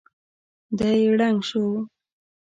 دی ړنګ شو.